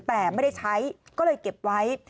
แต่ไม่ได้ใช้ก็เลยเก็บไว้